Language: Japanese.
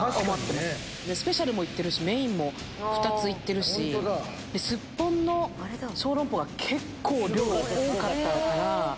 スペシャルも行ってるしメインも２つ行ってるしすっぽんの小籠包が結構量多かったから。